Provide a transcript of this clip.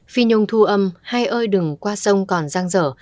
phi nhung thu âm hay ơi đừng qua sông còn giang dở